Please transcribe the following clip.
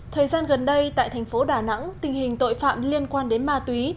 thời gian gần đây tại thành phố đà nẵng tình hình tội phạm liên quan đến ma túy